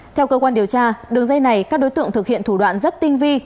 theo cơ quan điều tra đường dây này các đối tượng thực hiện thủ đoạn rất tinh vi